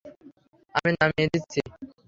আমি নামিয়ে দিচ্ছি।